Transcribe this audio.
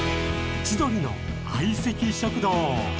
千鳥の相席食堂